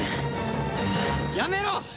やめろ！